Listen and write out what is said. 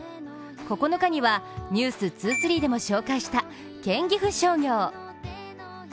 ９日には、「ｎｅｗｓ２３」でも紹介した県岐阜商業。